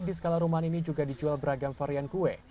di skala rumahan ini juga dijual beragam varian kue